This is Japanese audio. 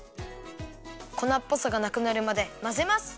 こなっぽさがなくなるまでまぜます！